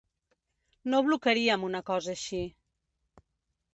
No blocaríem una cosa així.